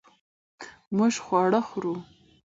مونږ خواړه خورو